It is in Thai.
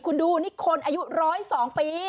คุณดูนี่คนอายุ๑๐๒ปี